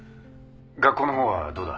学校のほうはどうだ？